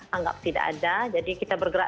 anggap tidak ada jadi kita bergerak